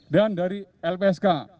dan dari lpsk